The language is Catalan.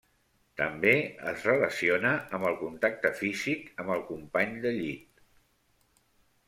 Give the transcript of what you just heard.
També es relaciona amb el contacte físic amb el company de llit.